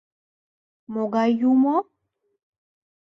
— Могай юмо?